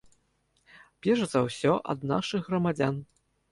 Перш за ўсё, ад нашых грамадзян.